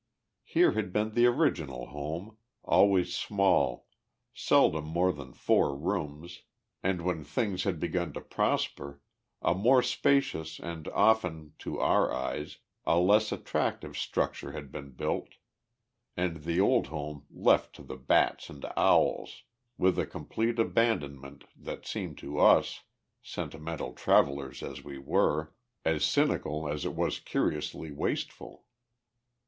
Here had been the original home, always small, seldom more than four rooms, and when things had begun to prosper, a more spacious, and often, to our eyes, a less attractive, structure had been built, and the old home left to the bats and owls, with a complete abandonment that seemed to us sentimental travellers as we were as cynical as it was curiously wasteful.